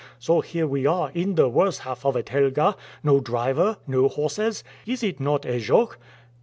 So here we are in the worse half of a telga; no driver, no horses. Is it not a joke?"